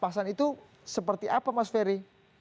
pasan itu seperti apa mas ferry